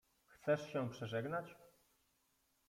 Chcesz się przeżegnać?